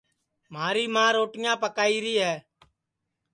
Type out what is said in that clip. مھاری ماں روٹیاں پکائیری ہے